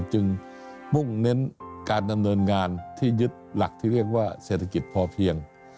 มุ่งเน้นการดำเนินงานที่ยึดหลักที่เรียกว่าเศรษฐกิจพอเพียง